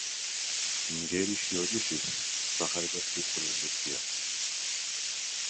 ნგერიში ოჭიშის სახარებას კითხულენდესია